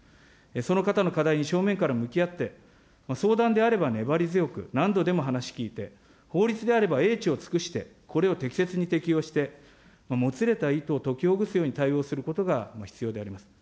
その方の課題に正面から向き合って、相談であれば粘り強く何度でも話聞いて、法律であれば英知を尽くしてこれを適切に適用して、もつれた糸を解きほぐすように対応することが必要であります。